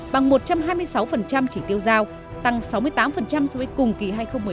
bằng một trăm hai mươi sáu chỉ tiêu giao tăng sáu mươi tám so với cùng kỳ hai nghìn một mươi tám